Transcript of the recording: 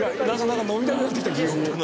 なんか飲みたくなってきた急に。